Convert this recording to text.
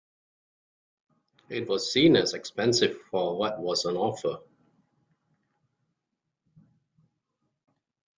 It was seen as expensive for what was on offer.